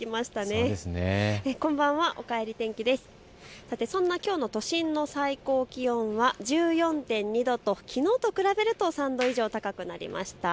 そんな都心の最高気温は１４．２度ときのうと比べると３度以上高くなりました。